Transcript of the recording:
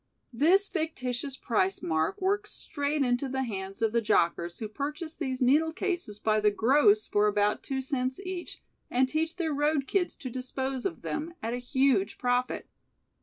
This fictitious price mark works straight into the hands of the jockers who purchase these needle cases by the gross for about two cents each and teach their road kids to dispose of them, at a huge profit.